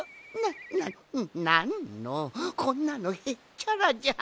なななんのこんなのへっちゃらじゃ。